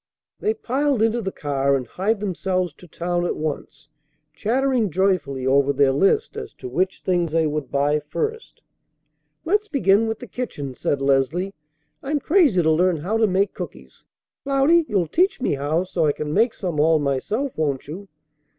They piled into the car, and hied themselves to town at once, chattering joyfully over their list as to which things they would buy first. "Let's begin with the kitchen," said Leslie. "I'm crazy to learn how to make cookies. Cloudy, you'll teach me how so I can make some all myself, won't you?"